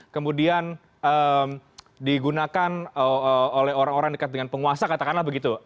kemudian digunakan oleh orang orang dekat dengan penguasa katakanlah begitu